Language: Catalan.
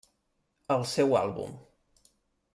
El seu àlbum.